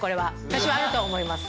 私はあると思います。